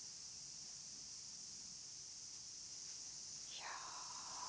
いや。